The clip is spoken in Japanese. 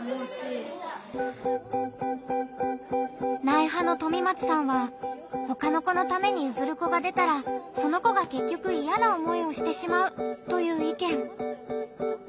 「ない派」のとみまつさんはほかの子のためにゆずる子が出たらその子がけっきょくイヤな思いをしてしまうという意見。